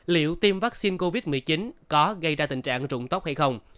liệu tiêm vaccine covid một mươi chín có gây ra tình trạng trụng tóc hay không